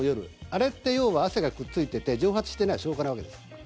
あれって要は汗がくっついていて蒸発していない証拠なわけです。